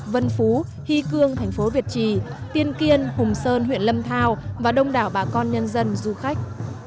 vân phú hy cương thành phố việt trì tiên kiên hùng sơn huyện lâm thao và đông đảo bà con nhân dân du khách